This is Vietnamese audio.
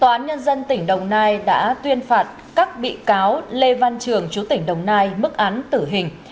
tòa án nhân dân tỉnh đồng nai đã tuyên phạt các bị cáo lê văn trường chú tỉnh đồng nai mức án tử hình